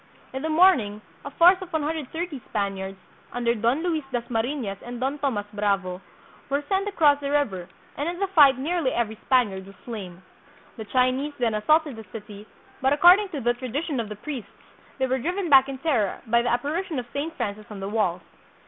In the morning a force of 130 Spaniards, under Don Luis Dasmarifias and Don Tomas Bravo, were sent across the river, and in the fight nearly every Spaniard was slain. The Chinese then assaulted the city, but, according to the tradition of the priests, they were driven back in terror by the apparition of Saint Francis on the walls.